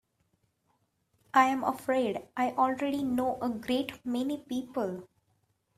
I'm afraid I already know a great many people.